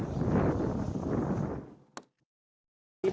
เนี่ยครับระหว่างการไปทำแผนประกอบคำรับสารภาพนะครับ